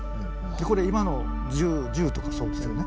これ今の銃とかそうですよね。